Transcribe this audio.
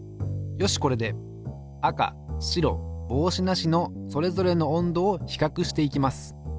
よしこれで赤白帽子なしのそれぞれの温度をひかくしていきます。